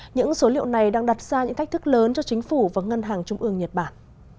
những số liệu này đang đặt ra những thách thức lớn cho chính phủ và ngân hàng trung ương nhật bản